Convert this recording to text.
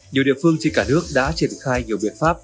nhiều địa phương trên cả nước đã triển khai nhiều biện pháp